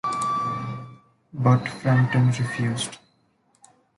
But Frampton refused.